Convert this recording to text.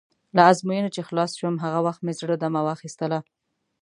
له ازموینې چې خلاص شوم، هغه وخت مې زړه دمه واخیستله.